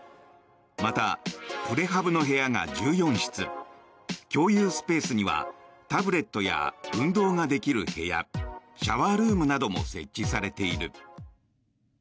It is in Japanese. また、プレハブの部屋が１４室共有スペースにはタブレットや運動ができる部屋シャワールームなども設置されている。